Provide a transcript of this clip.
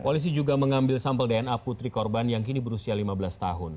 polisi juga mengambil sampel dna putri korban yang kini berusia lima belas tahun